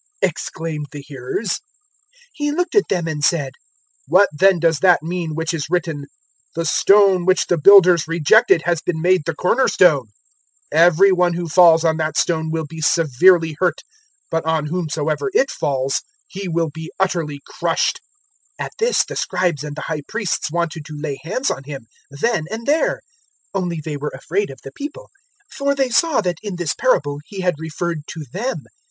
exclaimed the hearers. 020:017 He looked at them and said, "What then does that mean which is written, "`The Stone which the builders rejected has been made the cornerstone'? 020:018 Every one who falls on that stone will be severely hurt, but on whomsoever it falls, he will be utterly crushed." 020:019 At this the Scribes and the High Priests wanted to lay hands on Him, then and there; only they were afraid of the people. For they saw that in this parable He had referred to them.